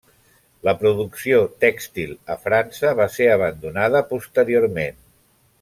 La producció tèxtil a França va ser abandonada posteriorment.